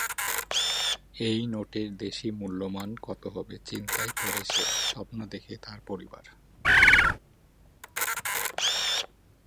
এই নোটের দেশী মূল্যমান কত হবে, চিন্তায় পড়ে সে, স্বপ্ন দেখে তার পরিবার।